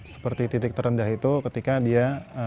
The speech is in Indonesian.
seperti titik terendah itu ketika dia